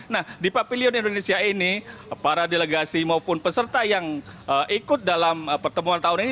nah di pavilion indonesia ini para delegasi maupun peserta yang ikut dalam pertemuan tahun ini